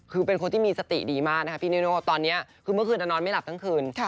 คือเป็นคนที่มีสติดีมากนะคะพี่นิโน่ตอนนี้คือเมื่อคืนนอนไม่หลับทั้งคืน